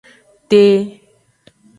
Te.